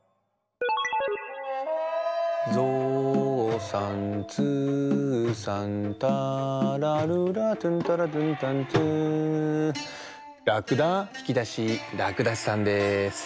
ぞうさんずうさんターラルラトゥンタラトゥンタントゥーらくだひきだしらくだしさんです。